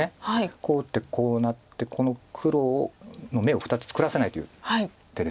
こう打ってこうなってこの黒の眼を２つ作らせないという手です